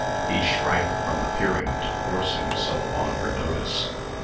He shrank from appearing to force himself on her notice.